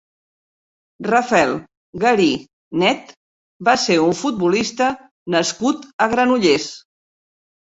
Rafael Garí Net va ser un futbolista nascut a Granollers.